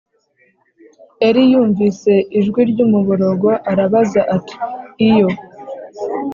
Eli yumvise ijwi ry umuborogo arabaza ati Iyo